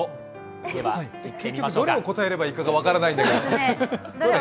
結局、どれを答えればいいのか分からないのよ、どれ？